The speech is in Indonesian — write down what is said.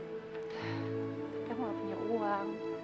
tapi aku gak punya uang